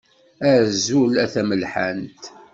Azul a tamelḥant.